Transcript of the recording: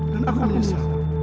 dan aku menyesal